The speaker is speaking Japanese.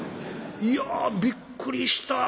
いやびっくりした。